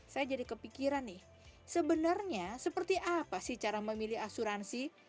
saya jadi kepikiran nih sebenarnya seperti apa sih cara memilih asuransi